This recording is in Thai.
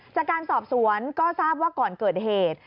จากการสอบสวนก็ทราบว่าก่อนเกิดเหตุ